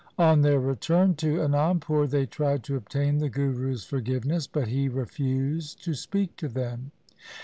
On their return to Anandpur they tried to obtain the Guru's forgive ness, but he refused to speak to them.